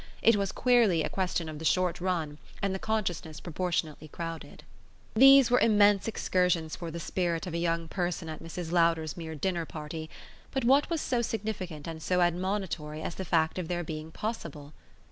It was queerly a question of the short run and the consciousness proportionately crowded. These were immense excursions for the spirit of a young person at Mrs. Lowder's mere dinner party; but what was so significant and so admonitory as the fact of their being possible?